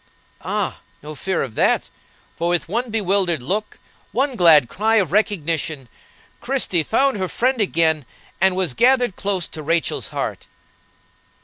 Ah! no fear of that; for with one bewildered look, one glad cry of recognition, Christie found her friend again, and was gathered close to Rachel's heart.